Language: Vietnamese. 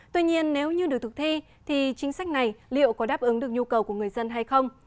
tuy nhiên nếu như được thực thi thì chính sách này liệu có đáp ứng được nhu cầu của người dân hay không